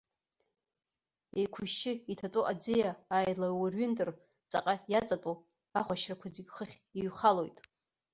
Еиқәышьшьы иҭатәоу аӡиа ааилаурҩынтыр, ҵаҟа иаҵатәоу ахәашьрақәа зегьы хыхь иҩхалоит.